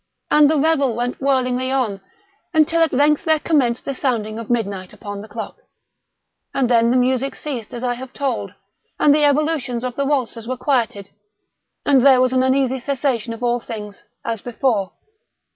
And the revel went whirlingly on, until at length there commenced the sounding of midnight upon the clock. And then the music ceased, as I have told; and the evolutions of the waltzers were quieted; and there was an uneasy cessation of all things as before.